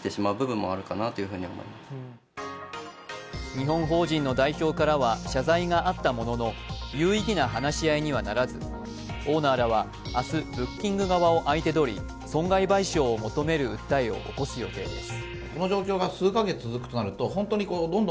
日本法人の代表からは謝罪があったものの、有意義な話し合いにはならず、オーナーらは明日、ブッキング側を相手取り、損害賠償を求める訴えを起こす予定です。